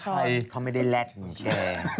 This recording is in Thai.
ใช่เขาไม่ได้แร็กถึงแชร์